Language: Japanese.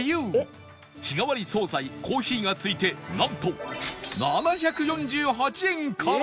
日替わり総菜コーヒーが付いてなんと７４８円から！